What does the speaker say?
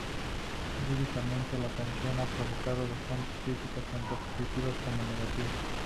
Líricamente, la canción ha provocado bastantes críticas, tanto positivas como negativas.